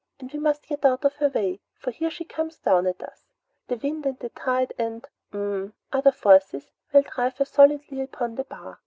"And we must get out of her way, for here she comes down at us. The wind and the tide and hm m other forces will drive her solidly upon the bar.